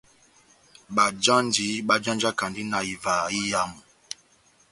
Bajanji bájanjakandi na ivaha iyamu.